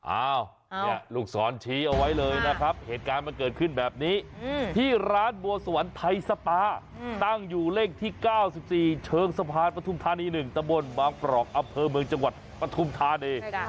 อ้าวเนี่ยลูกศรชี้เอาไว้เลยนะครับเหตุการณ์มันเกิดขึ้นแบบนี้ที่ร้านบัวสวรรค์ไทยสปาตั้งอยู่เลขที่๙๔เชิงสะพานปฐุมธานี๑ตะบนบางปรอกอำเภอเมืองจังหวัดปฐุมธานี